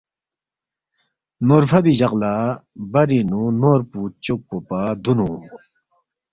نورفبی جق لا برینگنو نور پو چوکپو پا دونو